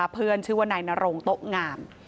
เพื่อนชื่อว่านายนารงโต๊ะงาม